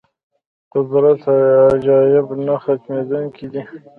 د قدرت عجایب نه ختمېدونکي دي.